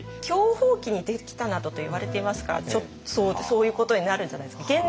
享保期に出てきたなどといわれていますからそういうことになるんじゃないですか。